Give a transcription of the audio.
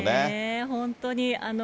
本当にね。